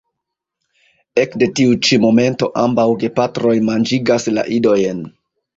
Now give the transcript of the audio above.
Ekde tiu ĉi momento ambaŭ gepatroj manĝigas la idojn.